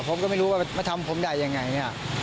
ผมก็ไม่รู้ว่ามาทำผมได้ยังไง